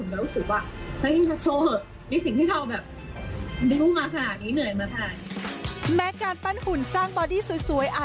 แล้วก็มันก็ได้ผลเพราะมันได้ผลแบบรู้สึกว่า